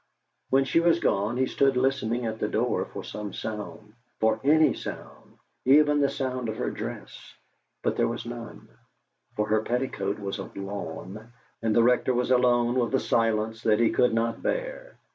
When she was gone he stood listening at the door for some sound for any sound, even the sound of her dress but there was none, for her petticoat was of lawn, and the Rector was alone with a silence that he could not bear.